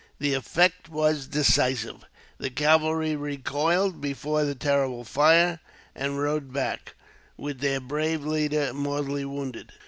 The effect was decisive. The cavalry recoiled before the terrible fire, and rode back, with their brave leader mortally wounded.